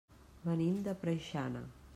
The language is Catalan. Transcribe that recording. Venim de Preixana.